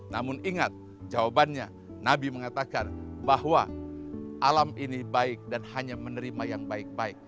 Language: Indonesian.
namun ingat jawabannya nabi mengatakan bahwa alam ini baik dan hanya menerima yang baik baik